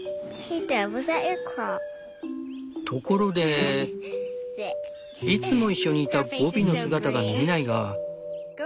ところでいつもいっしょにいたゴビの姿が見えないが。